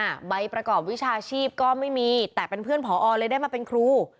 ใบประกอบวิชาชีพก็ไม่มีแต่เป็นเพื่อนผอเลยได้มาเป็นครู